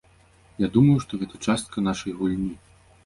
Я думаю, што гэта частка нашай гульні.